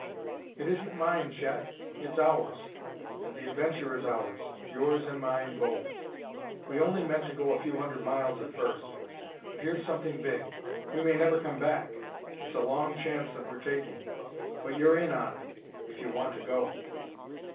"It isn't mine, Chet; it's ours. And the adventure is ours; yours and mine, both. We only meant to go a few hundred miles at first, but here's something big. We may never come back it's a long chance that we're taking but you're in on it, if you want to go...."